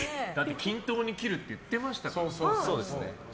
均等に切るって言ってましたから。